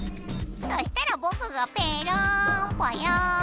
そしたらぼくがペロンぽよ。